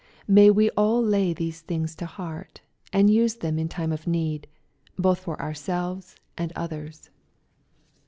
May we all lay these things to heart, and use them in time of need, both for ourselves and others.